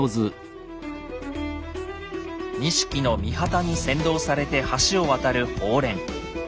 錦の御旗に先導されて橋を渡る鳳輦。